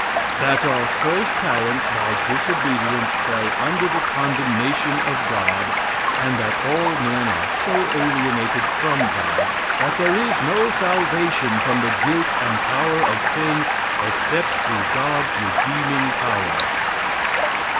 "That our first parents, by disobedience, fell under the condemnation of God, and that all men are so alienated from God that there is no salvation from the guilt and power of sin except through God's redeeming power."